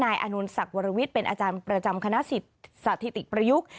อานนท์ศักดิ์วรวิทย์เป็นอาจารย์ประจำคณะสิทธิ์สถิติประยุกต์